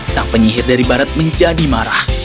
sang penyihir dari barat menjadi marah